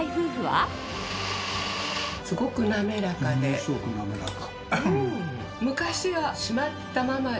ものすごく滑らか。